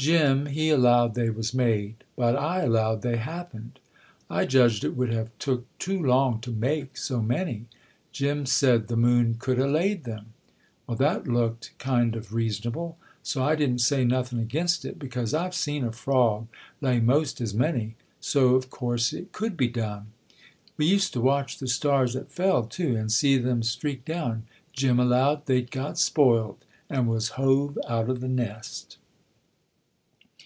Jim he allowed they was made, but I allowed they happened; I judged it would have took too long to make so many. Jim said the moon could a laid them; well, that looked kind of reasonable, so I didn't say nothing against it, because I've seen a frog lay most as many, so of course it could be done. We used to watch the stars that fell, too, and see them streak down. Jim allowed they'd got spoiled and was hove out of the nest."